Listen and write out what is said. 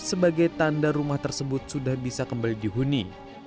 sebagai tanda rumah tersebut sudah bisa kembali dihuni